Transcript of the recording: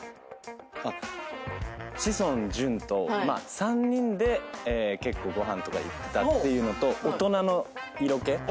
志尊淳と３人で結構ご飯とか行ってたっていうのと大人の色気。